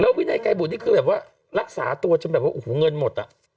แล้ววินัยกายบุตรนี่คือแบบว่ารักษาตัวจนแบบว่าเงินหมด